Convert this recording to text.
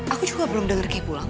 aku juga belum dengar key pulang